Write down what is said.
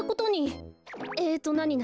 えっとなになに？